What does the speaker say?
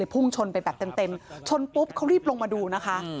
พุ่งชนไปแบบเต็มชนปุ๊บเขารีบลงมาดูนะคะ